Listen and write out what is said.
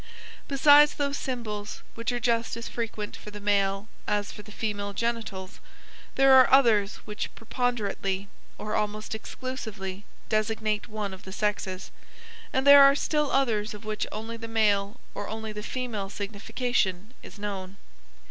Besides those symbols, which are just as frequent for the male as for the female genitals, there are others which preponderately, or almost exclusively, designate one of the sexes, and there are still others of which only the male or only the female signification is known.